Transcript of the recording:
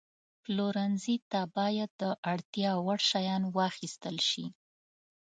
پلورنځي ته باید د اړتیا وړ شیان واخیستل شي.